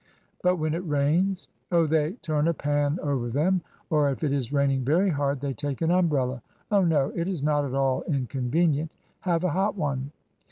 But when it rains? " Oh, they turn a pan over them, or if it is raining very hard they take an umbrella. Oh, no, it is not at all in convenient. Have a hot one."